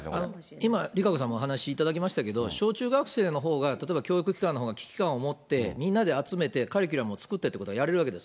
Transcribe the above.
今、ＲＩＫＡＣＯさんもお話しいただきましたけども、小中学生のほうが、例えば教育機関のほうが危機感を持って、みんなで集めてカリキュラムを作ってということをやれるわけです。